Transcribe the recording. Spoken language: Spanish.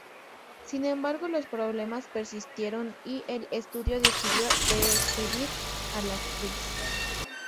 Sin embargo, los problemas persistieron, y el estudio decidió despedir a la actriz.